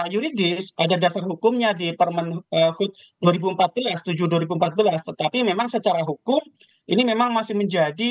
yuridis ada dasar hukumnya di permen food dua ribu empat belas tujuh dua ribu empat belas tetapi memang secara hukum ini memang masih menjadi